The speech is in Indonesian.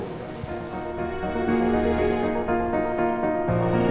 tidak ada apa lagi bah